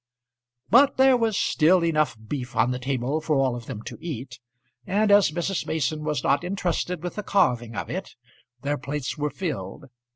But there was still enough beef on the table for all of them to eat, and as Mrs. Mason was not intrusted with the carving of it, their plates were filled.